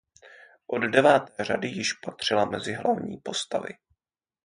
Od deváté řady již patřila mezi hlavní postavy.